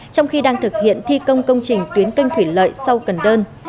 trong khi đang thực hiện thi công công trình tuyến canh thủy lợi sau cần đơn